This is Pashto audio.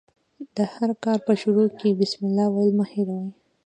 د هر کار په شروع کښي بسم الله ویل مه هېروئ!